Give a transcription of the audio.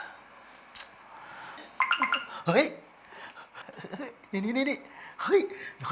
พี่ป๋องค่ะขอบคุณที่รักและหวังดีกับแอร์นะคะ